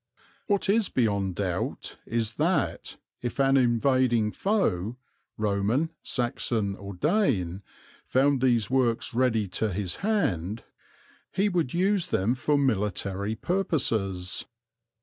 What is beyond doubt is that, if an invading foe, Roman, Saxon, or Dane, found these works ready to his hand, he would use them for military purposes.